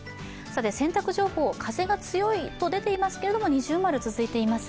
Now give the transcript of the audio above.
洗濯情報、風が強いと出ていますけれども、◎が出ています。